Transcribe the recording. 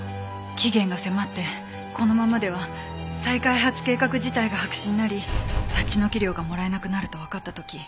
期限が迫ってこのままでは再開発計画自体が白紙になり立ち退き料がもらえなくなるとわかった時。